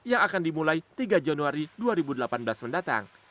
yang akan dimulai tiga januari dua ribu delapan belas mendatang